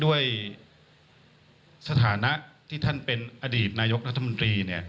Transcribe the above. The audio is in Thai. ด้วยสถานะที่ท่านเป็นอดีตนายกรัฐมนตรี